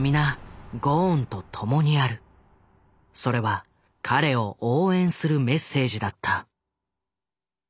それは彼を応援するメッセージだった。